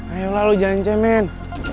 ayolah lu jangan cemen